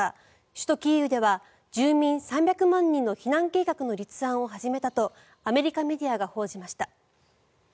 首都キーウでは住民３００万人の避難計画の立案を始めたとアメリカメディアが報じました。